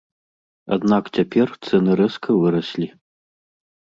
Аднак цяпер цэны рэзка выраслі.